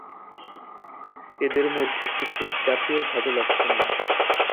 এদের মধ্যে কিছু জাতীয়ভাবে লক্ষণীয়।